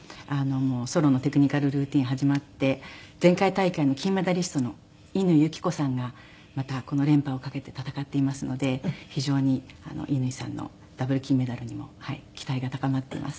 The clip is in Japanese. ソロのテクニカルルーティン始まって前回大会の金メダリストの乾友紀子さんがまたこの連覇を懸けて戦っていますので非常に乾さんのダブル金メダルにも期待が高まっています。